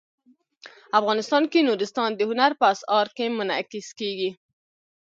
افغانستان کې نورستان د هنر په اثار کې منعکس کېږي.